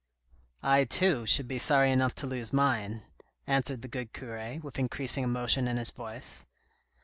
" I, too, should be sorry enough to lose mine," answered the good cure, with increasing emotion in his voice.